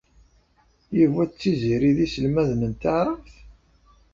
Yuba d Tiziri d iselmaden n taɛṛabt?